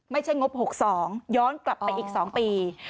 ไม่ใช่งบ๖๒ย้อนกลับไปอีก๒ปี